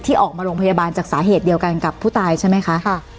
ออกมาโรงพยาบาลจากสาเหตุเดียวกันกับผู้ตายใช่ไหมคะ